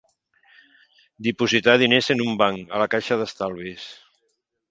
Dipositar diners en un banc, a la caixa d'estalvis.